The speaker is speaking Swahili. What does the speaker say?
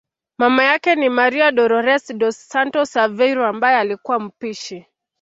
Mama yake ni Maria Dolores dos Santos Aveiro ambaye alikuwa mpishi